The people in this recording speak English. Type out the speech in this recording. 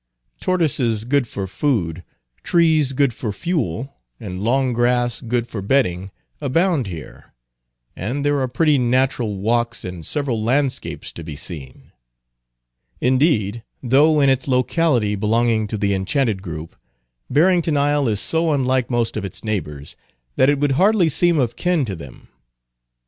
Tortoises good for food, trees good for fuel, and long grass good for bedding, abound here, and there are pretty natural walks, and several landscapes to be seen. Indeed, though in its locality belonging to the Enchanted group, Barrington Isle is so unlike most of its neighbors, that it would hardly seem of kin to them.